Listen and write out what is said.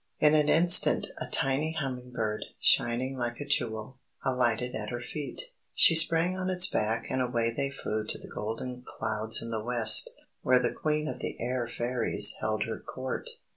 _" In an instant a tiny hummingbird, shining like a jewel, alighted at her feet. She sprang on his back, and away they flew to the golden clouds in the West where the Queen of the Air Fairies held her Court.